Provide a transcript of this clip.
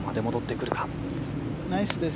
ナイスです。